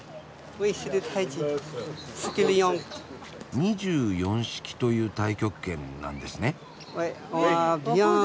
２４式という太極拳なんですね？